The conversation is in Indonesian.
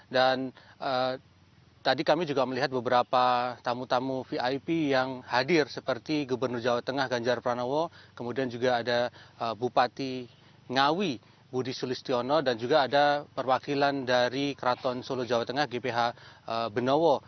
dan tadi kami juga melihat beberapa tamu tamu vip yang hadir seperti gubernur jawa tengah ganjar pranowo kemudian juga ada bupati ngawi budi sulistiono dan juga ada perwakilan dari keraton solo jawa tengah gph benowo